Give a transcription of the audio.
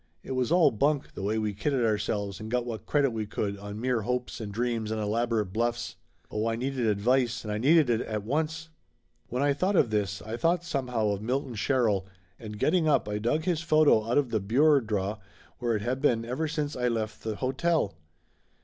It was all bunk, the way we kidded ourselves and got what credit we could on mere hopes Laughter Limited 147 and dreams and elaborate bluffs. Oh, I needed advice and I needed it at once. When I thought of this I thought somehow of Mil ton Sherrill, and getting up I dug his photo out of the bureau draw where it had been ever since I left the hotel.